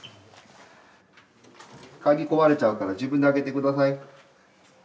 鍵壊れちゃうから自分であけて下さい。